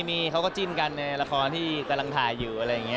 มีเขาก็จิ้นกันในละครที่กำลังถ่ายอยู่อะไรอย่างนี้